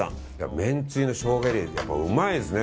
めんつゆのショウガ入れるとやっぱり、うまいですね。